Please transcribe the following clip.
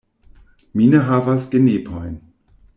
Mi ne havas genepojn.